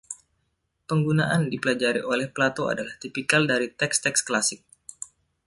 Penggunaan "dipelajari" oleh Plato adalah tipikal dari teks-teks Klasik.